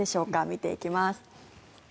見ていきます。